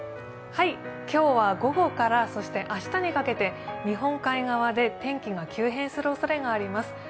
今日は午後から、そして明日にかけて日本海側で天気が急変するおそれがあります。